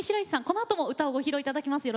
このあとも歌をご披露いただきます。